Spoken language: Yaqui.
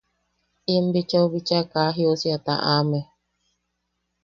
“Ien bichau... bichaa... kaa jiosia taʼame.